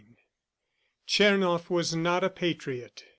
Tchernoff was not a patriot.